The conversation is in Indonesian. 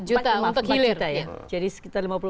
empat juta untuk hilir jadi sekitar